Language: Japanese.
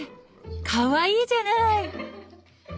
かわいいじゃない！